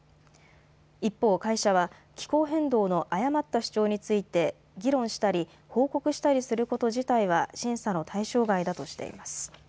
一方、会社は気候変動の誤った主張について議論したり報告したりすること自体は審査の対象外だとしています。